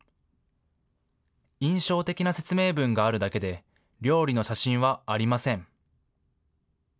印象的な説明文があるだけで料理の写真はありません。